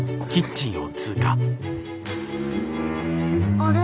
あれ？